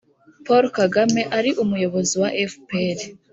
paul kagame ari umuyobozi wa fpr